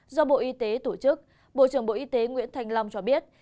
do bộ y tế tổ chức bộ trưởng bộ y tế nguyễn thành long cho biết